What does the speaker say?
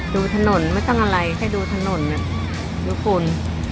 ดูถนนไม่ต้องอะไรแค่ดูถนนอ่ะดูฝุ่น